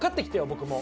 僕も！